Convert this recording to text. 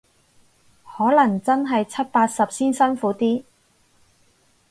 可能真係七八十先辛苦啲